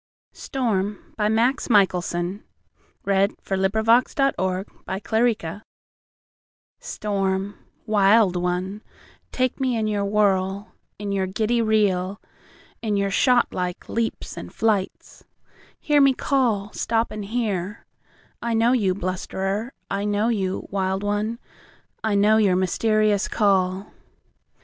Storm By Max Michelson STORM, Wild one, Take me in your whirl, In your giddy reel, In your shot like leaps and flights. Hear me call—stop and hear.I know you, blusterer; I know you, wild one—I know your mysterious call.